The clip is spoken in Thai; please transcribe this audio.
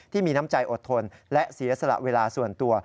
ที่มีน้ำใจอดทนและเสียสละเวลาส่วนตัว